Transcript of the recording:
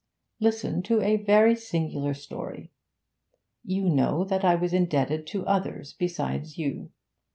Listen to a very singular story. You know that I was indebted to others besides you.